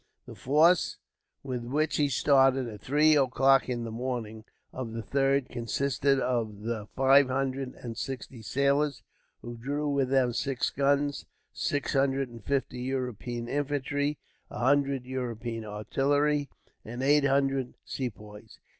The force with which he started, at three o'clock in the morning of the 3rd, consisted of the five hundred and sixty sailors, who drew with them six guns, six hundred and fifty European infantry, a hundred European artillery, and eight hundred Sepoys.